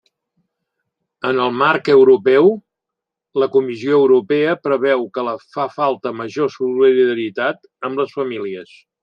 En el marc europeu, la Comissió Europea preveu que fa falta major solidaritat amb les famílies.